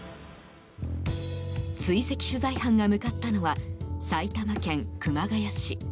追跡取材班が向かったのは埼玉県熊谷市。